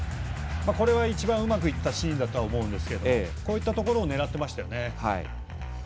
これは一番うまくいったシーンだと思いますがこういったところを狙ってました。